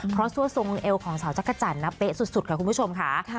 เพราะซั่วทรงเอวของสาวจักรจันทร์นะเป๊ะสุดค่ะคุณผู้ชมค่ะ